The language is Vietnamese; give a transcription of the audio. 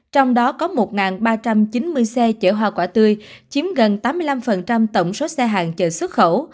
trong đó có một ba trăm chín mươi xe chở hoa quả tươi chiếm gần tám mươi năm tổng số xe hàng chợ xuất khẩu